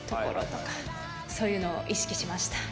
そういうのを意識しました。